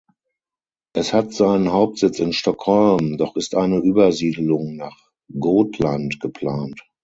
Es hat seinen Hauptsitz in Stockholm, doch ist eine Übersiedelung nach Gotland geplant.